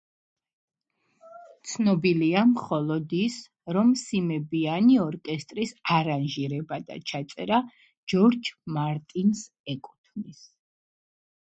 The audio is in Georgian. ცნობილია მხოლოდ ის, რომ სიმებიანი ორკესტრის არანჟირება და ჩაწერა ჯორჯ მარტინს ეკუთვნის.